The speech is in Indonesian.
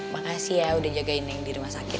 makasih ya udah jagain yang di rumah sakit